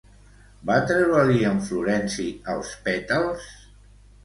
Va treure-li en Florenci els pètals?